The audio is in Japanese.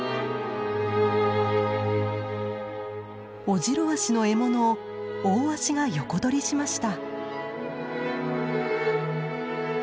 オジロワシの獲物をオオワシが横取りしました。